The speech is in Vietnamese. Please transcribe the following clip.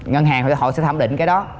ngân hàng họ sẽ thẩm định cái đó